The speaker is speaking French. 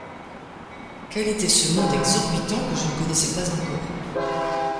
Quel était ce monde exorbitant que je ne connaissais pas encore ?